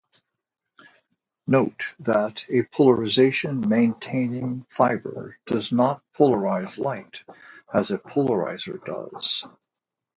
Note that a polarization-maintaining fiber does not polarize light as a polarizer does.